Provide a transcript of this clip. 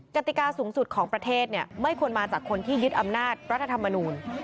กติกาสูงสุดของประเทศไม่ควรมาจากคนที่ยึดอำนาจรัฐธรรมนูล